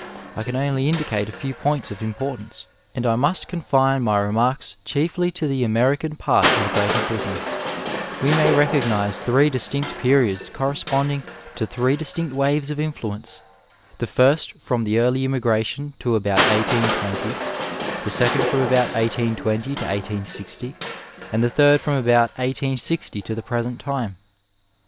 I can only indicate a few points of importance, and I must con fine my remarks chiefly to the American part of Greater Britain. We may recognize three distinct periods corres ponding to three distinct waves of influence, the first from the early immigration to about 1820, the second from about 1820 to 1860, and the third from about 1860 to the present time.